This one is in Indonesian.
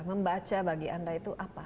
membaca bagi anda itu apa